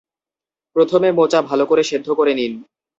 প্রথমে মোচা ভালো করে সেদ্ধ করে নিন।